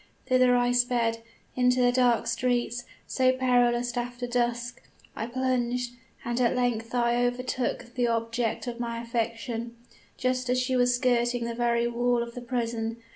Thither I sped into the dark streets, so perilous after dusk, I plunged; and at length I overtook the object of my affection, just as she was skirting the very wall of the prison.